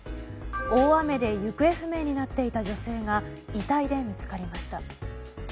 大雨で行方不明になっていた女性が遺体で見つかりました。